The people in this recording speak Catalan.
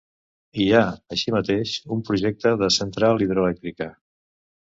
Hi ha, així mateix, un projecte de central hidroelèctrica.